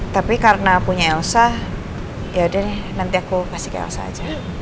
tapi karena punya elsa yaudah deh nanti aku kasih ke elsa aja